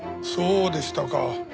そうでしたか。